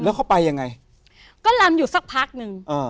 แล้วเขาไปยังไงก็ลำอยู่สักพักหนึ่งอ่า